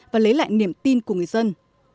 và lấy lại niềm tin của người dân